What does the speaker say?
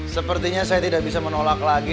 sepertinya saya tidak bisa menolak lagi